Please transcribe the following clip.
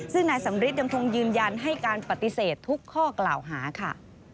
ซึ่งนายสำริทยังคงยืนยันให้การปฏิเสธทุกข้อกล่าวหาค่ะ